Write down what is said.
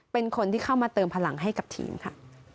เป็นคนที่เข้ามาเติมพลังให้กับทีมค่ะ